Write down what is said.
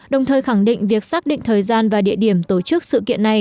đồng thời khẳng định việc xác định thời gian và địa điểm tổ chức sự kiện này